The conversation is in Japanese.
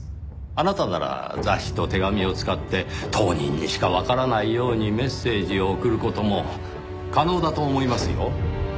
あなたなら雑誌と手紙を使って当人にしかわからないようにメッセージを送る事も可能だと思いますよ。